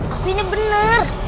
aku inya bener